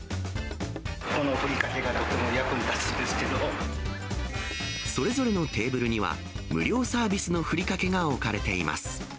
このふりかけが、とても役にそれぞれのテーブルには無料サービスのふりかけが置かれています。